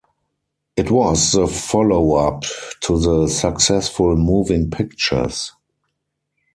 It was the follow-up to the successful "Moving Pictures".